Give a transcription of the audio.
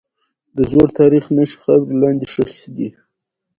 د زوړ تاریخ نښې خاورې لاندې ښخي دي.